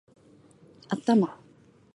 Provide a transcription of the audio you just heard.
頭